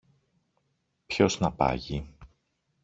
Ποιος να πάγει;